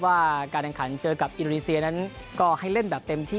ว่าการแข่งขันเจอกับอินโดนีเซียนั้นก็ให้เล่นแบบเต็มที่